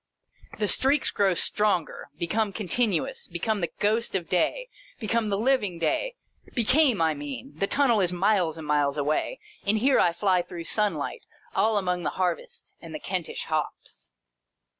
The streaks grow stronger — become continu ous— become the ghost of day — become the living day — became I mean — the tunnel is miles and miles away, and here I fly through sunlight, all among the harvest and the Kentish hops.